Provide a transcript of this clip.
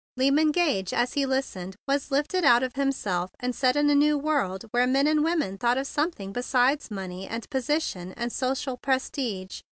Lyman Gage as he listened was lifted out of himself and set in a new world where men and women thought of something besides money and position and social prestige.